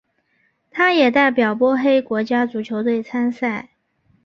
他也代表波黑国家足球队参赛。